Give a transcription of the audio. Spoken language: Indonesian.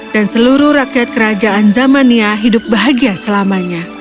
dan seluruh rakyat kerajaan zamannya hidup bahagia selamanya